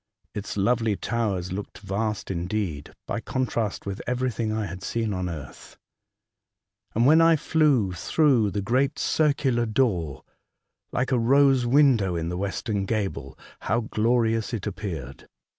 Its lovely towers looked vast indeed by contrast with anything I had seen on earth, and when I flew through the great circular door (like a rose window in the western gable), how glorious it appeared